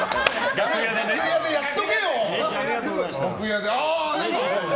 楽屋でやっとけよ！